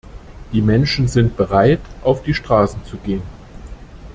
Die Menschen sind bereit, auf die Straße zu gehen.